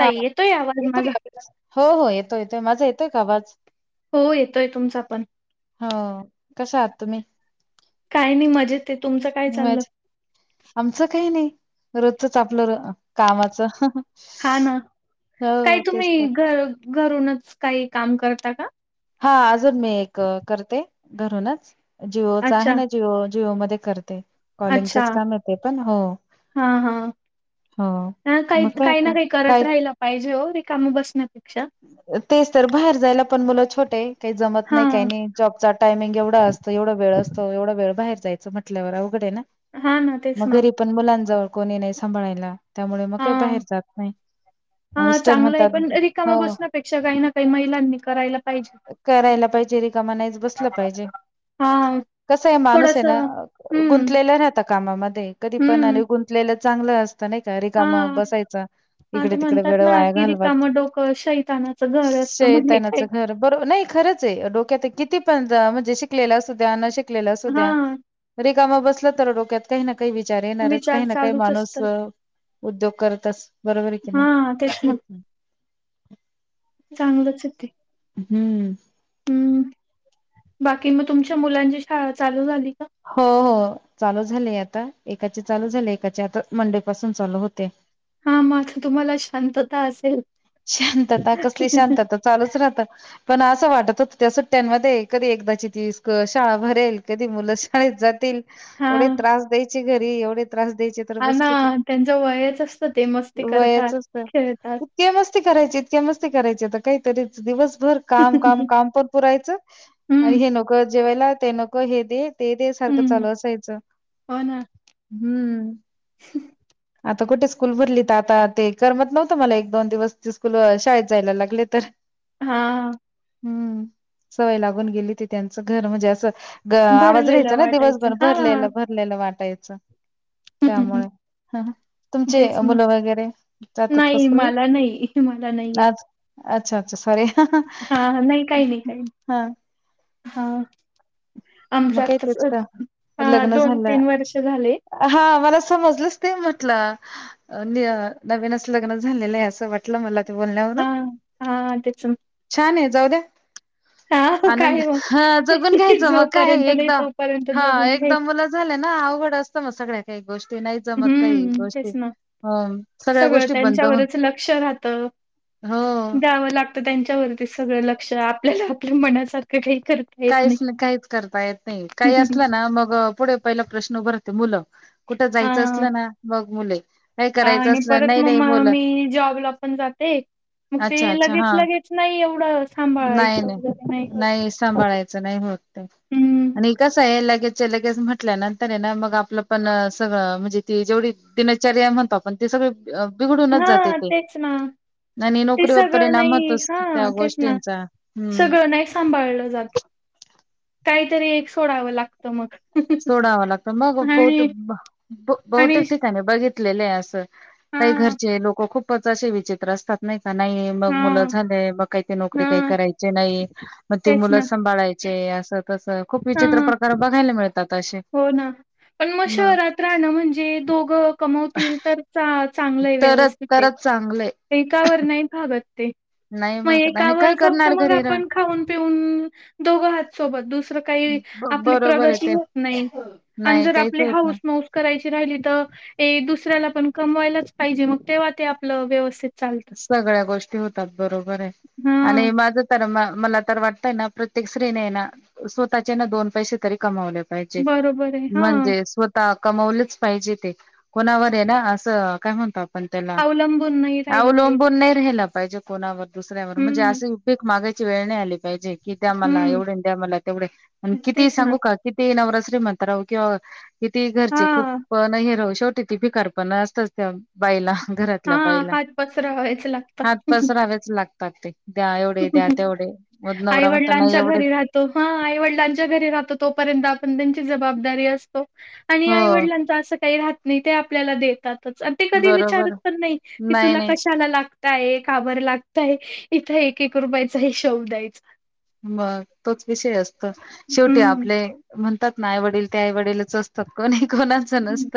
हा येतोय आवाज माझा हो हो हा. येतोय माझा येतय का आवाज? हो येतोय तुमचा पण. हो कस आहात तुम्ही? काही नाही मजेत आहे तुमचं काय चाललं ज आमचं काही नाही रोजच च आपलं कामाचं हा ना काही हो, तेच तुम्ही तर. घर घरूनच काही काम करता? का हा. अजून मी एक करते घरूनच-, जिओच आहे अच्छा ना जिओ जिओमध्ये करते अच्छा कॉलिंगचंच काम आहे ते पण. हो, हा हा हो. मग काही काय काही आता. ना काही काय करत राहिलं पाहिजे हो रिकामा बसण्या पेक्षा. तेच तर बाहेर जायला पण मुलं छोटे काही जमत हा नाही काही नाही जॉब चा टायमिंग एवढा असतं एवढा वेळ असतो एवढा वेळ बाहेर जायचं म्हटल्यावर अवघड आहे ना हा ना तेच मग ना घरी पण मुलांजवळ कोणी नाही सांभळायला त्यामुळे मग हा काही बाहेर जात नाही हा म मिस्टर चांगलं आहे म्हणतात पण रिकामं हो बसण्यापेक्षा काही ना काही महिलांनी करायला पाहिजे करायला पाहिजे रिकाम नाहीच बसला पाहिजे हा कसंआहे माणूस आहे ना थोडंसं हम्म गुंतलेला राहतं कामामध्ये कधी पण हम्म आणि गुंतलेल चांगले अस नाही का रिकाम हा बसायचा हा ते इकडे तिकडे म्हणतात वेळ ना वाया की घालवत रिकामं डोकं शैतानाचं घर असतं म्हणे काय शैतानाच घर बरोब नाही खरंच आहे डोक्यात हे किती पण रहा म्हणजे शिकलेला अस द्या न शिक लल्या असू हा द्या रिक् काम बस तर डोक्यात काही ना काही विचार येणारच विचार काही ना काही चालूच माणूस असतात. उद्योग करतस बरोबर आहे की हा नाही? तेच मग चांगलंच आहे ते हम्म. ह्म्म बाकी मग तुमच्या मुलांची शाळा चालू झाली? का? हो हो चालू झाले आता एकाचे चालू झाले एकाचे आता मंडे पासून चालू होते. हा म आता तुम्हाला शांतता असेल. शांतता कसली शांतता चालूच राहत पण असं वाटत होतं त्या सुट्ट्यांमध्ये कधी एकदाची ती स्क शाळा भरेल कधी मुलं शाळेत जातील हा एव्हडे त्रास द्याय चे घरी एवढे त्रास द्यायचे तर हा बस ना कधी त्यांच्या वयच असतं ते मस्ती करतात वयाचच तर खेळतात. इतक्या मस्ती करायचे इतके मस्ती करायचे आता काहीतरीच दिवस भर काम काम काम पण पुरायचं हम्म आणि हे नको जेवयला ते नको हे दे ते दे सारखं हम्म चालू असायचं हो ना हम्म आत आता कुठे स्कूल भरली तर आता ते करमत नव्हतं मला एक दोन दिवस ते स्कूल शाळेत जायला लागले तर हा. हम्म सवय लागून गेली ती त्यांचं घर म्हणजे असं ग आवाज भरलेलं रहायचा ना वाटायचं दिवसभर हा. भरलेलं भरलेलं वाटाय च त्यामुळे ह तुमचे तेच ना मुलं वगैरे जातात नाही कस मला नाही मला नाहीयेत अच्छा अच्छा सॉरी हा नाही काही नाही काही हा हा आमच मग काय आत्ताच तेच का लग्न दोन तीन वर्ष झाले समजलच नाही म्हटलं नवीनच लग्न झालेलं आहे असं वाटलं मला ते बोलण्या वरून हा हा तेच छान आहेत जाऊद्या हा आनंद काय मग हा जगून घ्यायचं मग जोपर्यंत नाही एक तोपर्यंत हा जगून घ्याय एकदा मुलं झाले ना अवघड असत मग सगळ काही गोष्टी नाही जमत काही हम्म गोष्टी. तेच ना हो सगळ्या सगळं गोष्टी बंद होऊन त्यांच्यावरच लक्ष राहत हो द्यावं लागत त्यांच्यावरतीच सगळं लक्ष लक्ष आपल्याला आपल्या मनासारखं काही करता येत काहीच नाही. काहीच करता येत नाही काही असलं ना मग पुढे पहिला प्रश्न उभरतो मुलं कुठ जायचं हा असलं ना मग मुले [inaudible] आणि असलं परत नाही मग नाही म मुलं मी जॉबला पण जाते मग ते अच्छा अच्छा लगेच हा लगेच नाही एवढं सांभाळायचं वगैरे नाही होत सांभाळायचं नाही होत हम्म लगेच लगेच म्हटल्या नंतर ना मग आपलं पण सगळं म्हणजे ते दिनचर्या म्हणतो आपण ते सगळ हा तेच ना आणि ते नोकरीवर सगळं परिणाम नाही होतोच हा त्या तेच ना गोष्टींचा हम्म सगळं नाही सांभाळलं जात काहीतरी एक सोडावं लागतं मग सोडाव लागत मग आणि आणि बहुतेक ठिकाणी बघितलेल अस हा काही घरचे लोक खूपच असे विचित्र असतात नाही का नाही मग मुलं हा झाले मग काहीत नोकरी काही हा करायचे नाही मग ते तेच मुलं ना सांभाळायचे असं तसं खूप हा विचित्र प्रकार बघायला मिळत हो ना पण मग शहरात राहणं म्हणजे दोघं कमवतील तर चांगल आहे तरच व्यवस्थित आहे तरच चांगलंय एकावर नाही भागत ते नाही मग भागत आणि काय एकावर फक्त करणार मग घरी र आपण खाऊन पिऊन दोघ आहोत सोबत दुसरं काही आपली बरोबर आहे प्रगती ते नाही. आणि नाही जर काहीच आपली होत हऊस नाही. माऊस करायची - ते राहिले तर, दुसऱ्या पण कमवायलाच पाहिजे मग. चालतं सगळ्या गोष्टी होत- बरोबर आहे. हा आणि माझ तर म- मला तर वाटतंय ना प्रत्येक स्त्रीने ना स्वतःचे ना दोन पैसे तरी - पाहिजे, बरोबर आहे. हां, म्हणजे स्वतः- कमवलंच पाहिजे ते. कोणावर आहे ना असं- काय म्हणतात? अवलंबून नाही. राहिलं पाहिजे. अवलंबून नाही राहिला पाहिजे कोणा वर - दुसऱ्यावर म्हणजे हं, असे उपेग मागाय- ची वेळ नाही आले - पाहिजे की द्या मला, हं. एवढ द्या, मला तेवढ, किती तेच सांगू ना. का किती ही नवरा - श्रीमंत राव किंवा- किती घरचे हां, खूप नाहीरहू शक - शेवटी ती फिकार पण असतच त्या - बाईला घरातल्या बाईला. पचरा वयच लागता. ताक ते- द्या एवढे, द्या तेवढे, मग नवरा म्हणतो नाही आईवडिलांच्या एवढे घरी राहतो. हा! आईवडिलांच्या घरी राहतो तोपर्यंत आपण त्यां- जबाबदारी असतो. आणि हो आईवडलांंच असं काही राहात - न ते आपल्याला देतात. आणि ते कधी विचारत बरोबर पण नाही की नाही तुला नाही कशाला लागतय काबर लागतय. इथं एक एक रुपयाचा हिशोब द्यायचा. बर तोच - विषय असतो शेवटी हं, आपलय म्ह- ात ना आई वडील ते आई वडीलच असतात कोणी कोणाच हं. नसत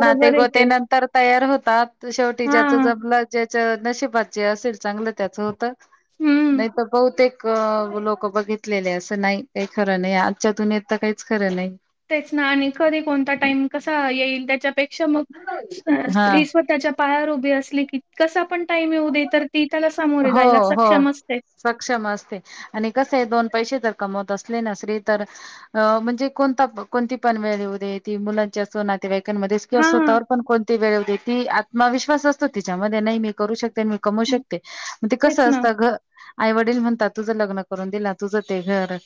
नाते आहे गोते ते. नंतर तयार होत- पात शेवटी ज्याच हां, जमल जे नशिबाचे असेल चांगलं त्याच होतं. हं. नाही तर बहूतेक क लोक बघितलेले असं नाही काही खरं नाही, आजच्या दूनयेत तर काहीच खरं नाही. तेच ना, आणि कधी कोणता टाईम कसा येईल त्याच्यापेक्षा मग हा स्त्री स्वतःच्या पायावर उभ आसली की कसा पण टाईम येवू दे तर ती त्याला सामोरे हो जायला हो सक्षम असते सक्षम असते, आणि कस आहे दोन पैसे तर कमवत आसली नसली तर म्हणजे कोणता कोणती पण वेळ येऊदे ती मुलांच्या सूनांच्या कांमध्ये कि हा स्वतावर पण कोणती वेळ ती आत्मविश्वास असतो तिच्यामध्ये नाही मी करू शकते, मी कमवू शकते मग ते तेच कसं ना असतं घ आईवडील म्हणतात तुझं लग्न करून दिला तुझं ते घर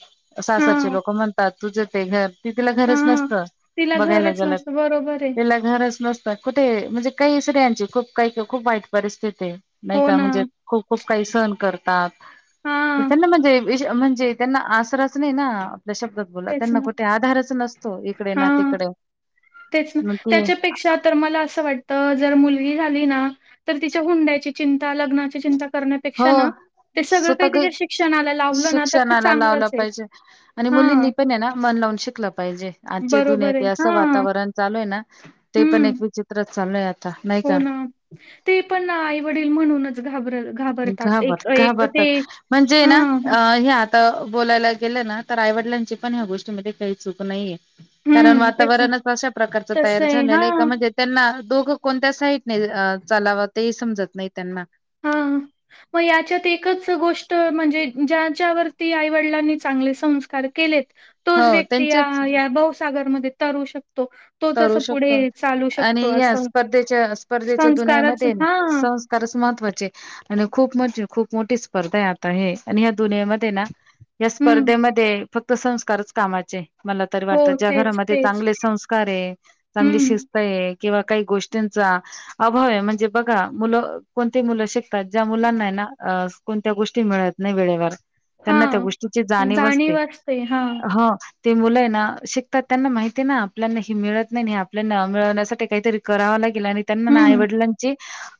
हा सासरचे लोक म्हणतात तुझं ते घर त तिला हा घरच नसत, तिला बघायला घरच गेला तर नसतं बरोबर आहे तिला घरच नसत. कुठे म्हणजे काही स्त्रियांची खूप काही खूप वाईट परिस्थिती आहे. हो ना म्हणजे खूप खू काही सहन करतात, हा ते त्यांना म्हणजे वि म्हणजे त्यांना आसराच नाही ना शब्दात बोला तेच त्यांना ना कुठे आधारच नसतो इकडे ना हां तिकडे तेच ना मग ती त्याच्यापेक्षा तर मला अस वाटत जर मुलीं गी झाली ना तिच्या लग्नाची चिंता, हुंड्याची चिंता हो करण्यापेक्षा ते सगळं काही शिक्षणाला लावलं ना तर ते शिक्षणाला लावला चांगलंच हे. पाहिजे. आणि हां. मुलींनी पण ना मन लावून शिकलं पाहिजे आजचे बरोबर दुणयेत आहे. हे असं हां. वातावरण चालूय ना ते पण एक हं. विचित्र [unintelligible] हो ना. ते पण आईवडील म्हणूनच घाबर घाबरतात. घाबर एक एक ते घाबरतात. म्हणजे ये ना हां. अ हे बोलायला गेलं ना तर आईवडिलांची पण ह्या गोष्टीमध्ये काही चूक नाहीये कारण हं. तेच ना. वातावरणच अशा प्रकारच तयार तसं झालेलं आहे का हां. म्हणजे त्यांना दोघं कोणत्या साईडने चालावं ते समजत नाही त्यांना मग याच्यात एकच गोष्ट म्हणजे ज्याच्यावरती आई वडिलांनी चांगले संस्कार केलेत तोच हो व्यक्ती या भासागरमध्ये वितारू शकते तरू शकतो आणि शकतो या असं. स्पर्धेच्या स्पर्धेच्या संस्कारच दुनियामध्येध्ये हां. संस्कारच महत्त् आणि खूप मज खूप मोठी स्पर्धा आहे आता हे आणि ह्या दुनियामध्ये ना या हं. स्पर्धेमध्ये फक्त संस्कारच कामाचे मला तरी वाटतं हो. ज्या तेच, घरामध्ये तेच. चांगले संस् अरे, चांगली हं. शिस्त आहे. किंवा काही गोष्टीचा अभावये म्हणजे बघा मुलं कोणती मुलं शिकतात ज्या मुलांना हाय ना कोणत्या गोष्टी मिळत नाय वेळेवर त्यांना त्या गोष्टीची जाणीव असते. ह ती मुलं ये ना शिकतात त्यांना माहिती ना आपल्याना ह मिळत नाही आपल्याना मिळण्यासाठी काहीतरी करावं लागे ल आणि त्यांना ना आई हं. वडिलांची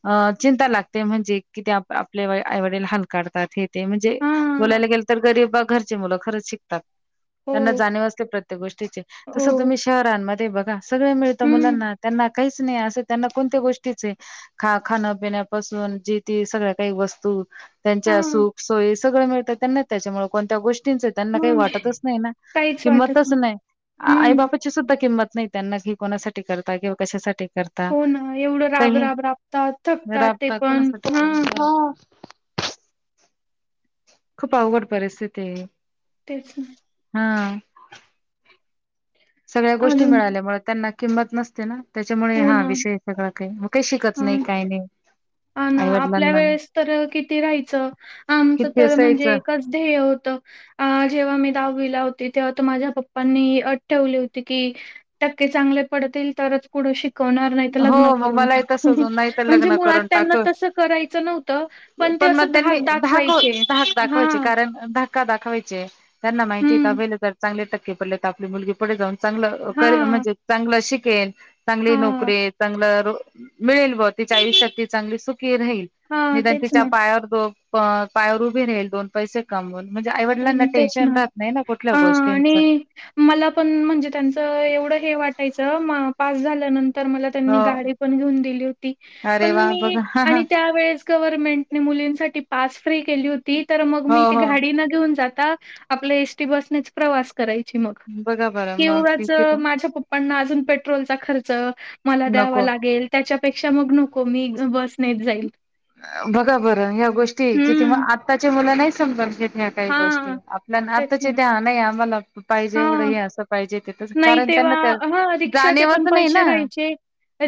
अ चिंता लागते म्हणजे की ते आप आपले आईवडील हाल काढतात हे ते म्हणजे हा बोलायला गेलं तर गरीबा घरचे मुलं खरंच शिकतात. हो त्यांना जाणीव असते. प्रत्येक गोष्टीची हो तस तुम्ही घरांमध्ये बघा सगळे मिळत हम्म मुलांना त्यांना काहीच नाही असं त्यांना कोणत्या गोष्टीच ख खाण पिण्यापासून जी ती सगळ्या काही वस्तू हा त्यांच्या सुख सोयी सगळ मिळतात त्यांना त्याच्यामुळ कोणत्या गोष्ट ष्टीचं त्यांना काही हा वाटतच नाही ना काहीच वाटत किंमतच नाही नाय आई हम्म बाप सुद्धा किंमत नाही त्यांना की कोणासाठी करता किंवा कशासाठी करता. हो ना एवढं काही राबराब राबतात थकतात ते राबता पण कोणासाठी हं करता. खूप अवघड परिस्थिती ये. तेच ना सगळ्या गोष्टी अजून मिळाल्यामुळे त्यांना किंमत नसते ना त्याच्यामुळे हो हा ना विषय सगळा काही मग काही शिकत नाही काय नायी. अन आपल्या वेळेस तर किती राहायचं? आमचं किती तर म्हणजे असायचं एकच ध्येय होतं अ जेव्हा मी दहावीला होते तेव्हा तर माझ्या पप्पांनी अट ठेवली होती की, टक्के चांगले पडतील तरच पुढे शिक्ष कवणार नाही तर हो लग्न करून टाकू. म्हणजे मुळात त्यांना टाकू तसं करायचं नव्हतं, ते पण असं मग त्यांनी धाक दाखवायचे. धाक दाखवायचे हां. कारण धाक का दाखवायचे त्यांना माहीती आहे ये हं. दहावीला जर चांगले टक्के पडले. त आपली मुलगी पुढे जाऊन चांगलं करेन हां, म्हणजे चांगलं शिक केल चांगली नोक हां, मिळेल बुआ तिच्या आयुष्यात ती चांगली सुख की राईल हां. निदान तेच तीच्या ना. पायावर दोन अ पायावर उभी राहिल दोन पैसे कमवून म्हणजे आईवडिलांना तेच टेन्शन ना राहत नाही कुठल्या आ गोष्टींच आणि मला पण म्हणजे त्यांचं एवढं हे वाटायचं म पास झाल्यानंतर तर मला त्यांनी हो गाडी पण घेऊन दिली होती. अरे पण वा मी बघा आणि त्यावेळेस गव्हर्मेंटन मुलींसाठी पाच फ्री केली होती तर मग हो मी ती हो गाडी ना जाता आपल एसटी बस प्रवास करायची मग बघा बरं मग किंवाच ठीक आहे माझ्या पप्पांना अजून पेट्रोलचा खर्च मला द्याव नको लागेल त्याच्यापेक्षा मग नको मी बस नेच जाईल. बघा बरं ह्या गोष्टी किती मग हं. आत्ताच्या मुलं नाही समजून घेत ह्यात काही गोष्टी हां, आपल्याना तेच ना. आताचा नाय मला पाहिजे एवढं हां. हे असं पाहिजे ते तसं नाही कारण तेव्हा त्यांना त्या ह रिक्षाचे पण जाणीवच नाही पैसे ना राहायचे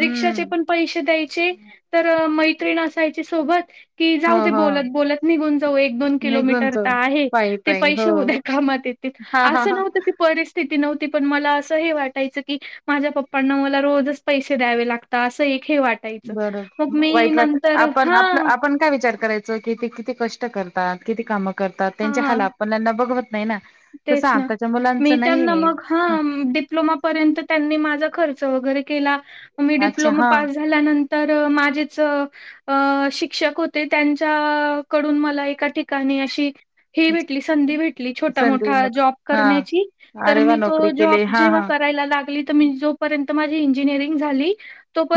हम्म पण पैसे द्यायचे तर अ मैत्रीण असाय सोबत कि हो जाऊ ते हो बोलत बोलत निघून जाऊ एक दोन निघून किलोमीटर तो तर आहे पायी ते पायी पैसे हो उद्या कामात येतील हा हा असं हा नव्हतं की परिस्थिती नव्हती पण मला असं हे वाटायचं की माझ्या पप्पांना मला रोजच पैसे द्यावे लागतात असं ही बर वाईट वाटत नंतर आपण हा आपलं आपण काय विचार करायचं कि किती कष्ट करत हा किती काम करतात त्यांच्या हाल हा आपल्याना बघवत नाही ना तसं तेच ना आताच्या मी मुलांचं त्यांना नाहीये मग हा डिप्लोमा पर्यंत त्यांनी माझा खर्च वगैरे क केिला मी अच्छा डिप्लोमा हा पास झाल्यानंत तर माझेच अ शिक्षक होते त्यांच्या कडून मला एका ठिकाणी अशी ही भेटली संधी भेटली छोटा मोठ संधी मग जॉब हा करण्याची तर अरे वा मी तो नोकरी केली जॉब हा जेव्हा हा करायला लागली तर जोपर्यंत माझी इंजिनिअरिंग झाली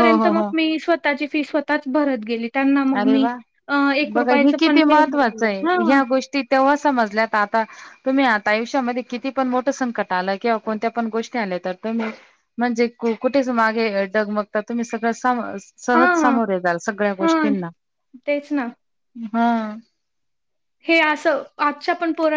हो हो मग हो मी स्व ची फी स्तः भरत गेली त्यांना मग अरे मी वा अ एक बघा हे रुपयाचं पण किती नाही महत्वाचं दिलं. आहे हां, ह्या गोष्टी तेव्हा समजल्यात आता तुम्ही आता आयुष्यामध्ये किती पण मोठं संकट आलं किंवा कोणत्या पण गोष्टी आल्या तर तुम्ही म्हणजे कुठेच मागे जगमगता तुम्ही सगळ सहज समोरे जाल सगळ्या गोष्टी ह तेच ना हा हे असं आजच्या पण पोर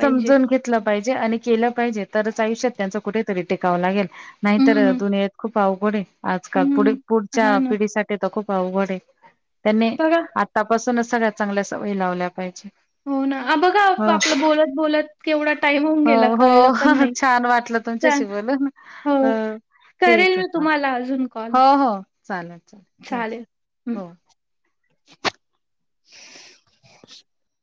समजून घेतलं पाहिजे आणि केलं पाहिजे तरच आयुष्या त्यांचं कुठेतरी टिकव ला गे नाहीतर हं, दुनियात खूप अवघड आजकाल हं. पुढे पुढच्या हां ना. पिढीसाठी तर खूप पाऊकडे त्यांनी बघा आतापासूनच सगळ्यात चांगल्या सय लावल्या पाहिजे हो ना बघा हो आपलं बोलत बोलत केवढा टाईम होऊन गेला हो कळलं पण हो नाही छान वाटलं च तुमच्याशी बोलून. हो करेल ठीक मी आहे तुम्हाला अजून हो कॉल. हो चालेल चालेल ठीक हो [inaudible]